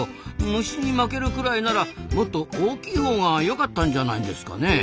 虫に負けるくらいならもっと大きいほうがよかったんじゃないんですかねえ。